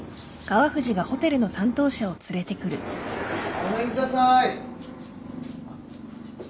ごめんください。